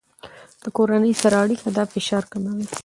له کورنۍ سره اړیکه د فشار کموي.